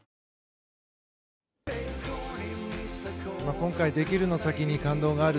今回できるの先に感動がある。